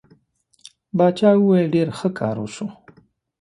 باچا وویل ډېر ښه کار وشو.